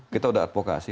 kita udah advokasi